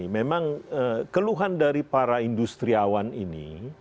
memang keluhan dari para industriawan ini